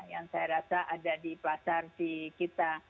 yang saya rasa ada di pasar di kita